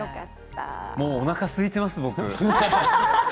もうおなかすいています、僕。